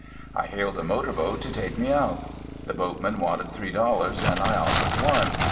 I hailed a motor boat to take me out. The boatman wanted three dollars, and I offered one.